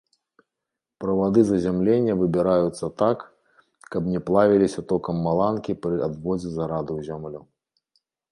Правады зазямлення выбіраюцца так, каб не плавіліся токам маланкі пры адводзе зараду ў зямлю.